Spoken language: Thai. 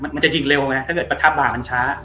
มันจะหยิงเร็วไหมถ้าประทบาทช้า